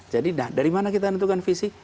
jadi dari mana kita menentukan visi